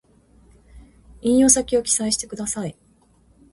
引用先を記載してください